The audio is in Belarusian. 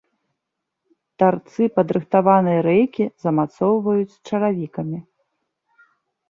Тарцы падрыхтаванай рэйкі замацоўваюць чаравікамі.